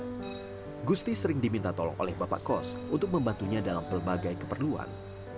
bapak kos gusti sering diminta tolong oleh bapak kos untuk membantunya dalam pelbagai keperluan